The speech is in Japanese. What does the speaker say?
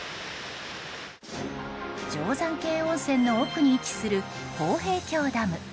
定山渓温泉の奥に位置する豊平峡ダム。